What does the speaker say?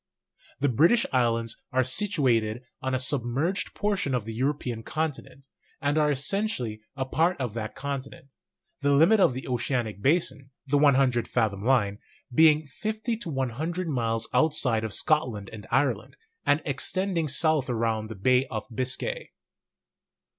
The British Islands are situated on a submerged portion of the European conti nent, and are essentially a part of that continent, the COMPOSITION OF THE EARTH 93 limit of the oceanic basin — the 100 fathom line — being 50 to 100 miles outside of Scotland and Ireland, and ex tending south around the Bay of Biscay.